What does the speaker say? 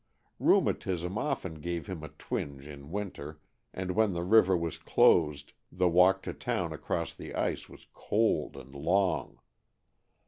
Rheumatism often gave him a twinge in winter and when the river was "closed" the walk to town across the ice was cold and long.